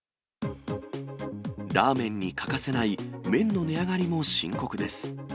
ラーメンに欠かせない麺の値上がりも深刻です。